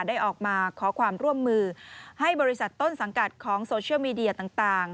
ได้ออกมาขอความร่วมมือให้บริษัทต้นสังกัดของโซเชียลมีเดียต่าง